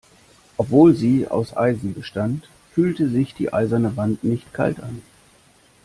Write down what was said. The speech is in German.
Obwohl sie aus Eisen bestand, fühlte sich die eiserne Wand nicht kalt an.